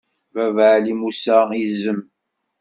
Baba Ɛli Musa izem.